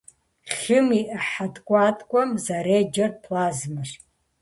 Лъым и ӏыхьэ ткӏуаткӏуэм зэреджэр плазмэщ.